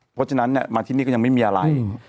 เพราะฉะนั้นมาที่นี่ก็ยังไม่มีอะไร